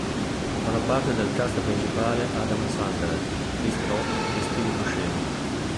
Fanno parte del cast principale Adam Sandler, Chris Rock e Steve Buscemi.